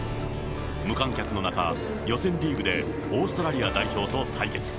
無観客の中、予選リーグでオーストラリア代表と対決。